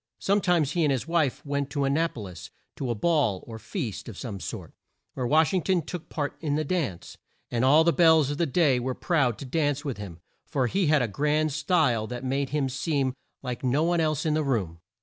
Some times he and his wife went to An na po lis, to a ball or feast of some sort, where Wash ing ton took part in the dance, and all the belles of the day were proud to dance with him, for he had a grand style that made him seem like no one else in the room.